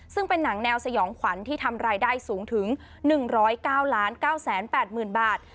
ซึ่งเป็นหนังแนวสยองขวัญที่ทำรายได้สูงถึง๑๐๙๙๘๐๐๐บาท